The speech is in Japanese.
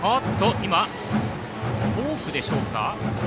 今、ボークでしょうか。